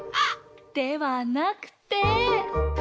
ではなくて。